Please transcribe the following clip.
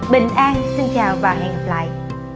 bình an xin chào và hẹn gặp lại